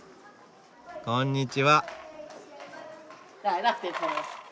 こんにちは！